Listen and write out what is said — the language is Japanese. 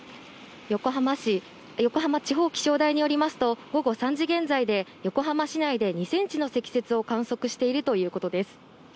横浜地方気象台によりますと、午後３時現在で横浜市内で２センチの積雪を観測しているということです。